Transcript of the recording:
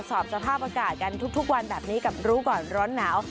สภาพอากาศกันทุกวันแบบนี้กับรู้ก่อนร้อนหนาว